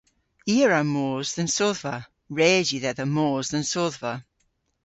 I a wra mos dhe'n sodhva. Res yw dhedha mos dhe'n sodhva.